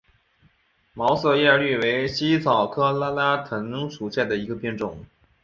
毛四叶葎为茜草科拉拉藤属下的一个变种。